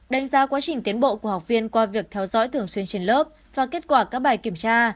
đánh giá quá trình tiến bộ của học viên qua việc theo dõi thường xuyên trên lớp và kết quả các bài kiểm tra